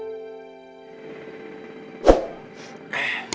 aku udah jelasin